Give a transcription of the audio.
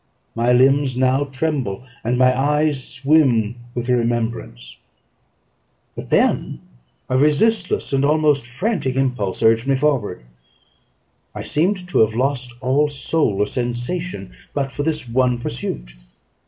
My limbs now tremble, and my eyes swim with the remembrance; but then a resistless, and almost frantic, impulse, urged me forward; I seemed to have lost all soul or sensation but for this one pursuit.